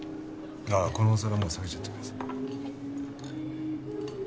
ああこのお皿もう下げちゃってください。